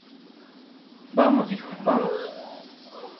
vamos, hijo. vamos .